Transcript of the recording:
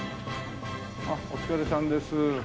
お疲れさんです。